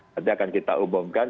nanti akan kita umumkan